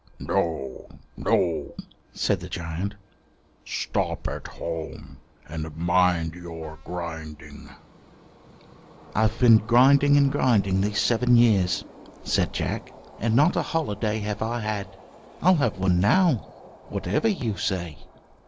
"No, no," said the giant, "stop at home and mind your grinding." "I've been grinding and grinding these seven years," said Jack, "and not a holiday have I had. I'll have one now, whatever you say."